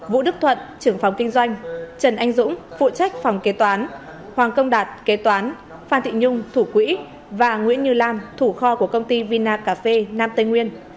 vũ đức thuận trưởng phòng kinh doanh trần anh dũng phụ trách phòng kế toán hoàng công đạt kế toán phan thị nhung thủ quỹ và nguyễn như lam thủ kho của công ty vina cà phê nam tây nguyên